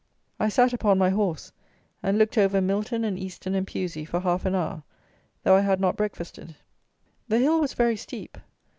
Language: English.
I sat upon my horse, and looked over Milton and Easton and Pewsy for half an hour, though I had not breakfasted. The hill was very steep.